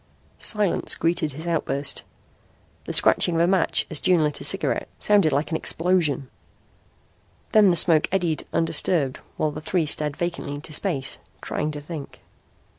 Silence greeted his outburst. The scratching of a match as June lit a cigarette sounded like an explosion. Then the smoke eddied undisturbed while the three stared vacantly into space, trying to think.